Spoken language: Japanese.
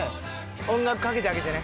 音楽かけてあげてね。